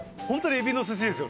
エビの寿司だよ